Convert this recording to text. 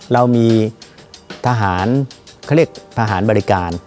เรามีทหารเขาเรียกทหารบริการ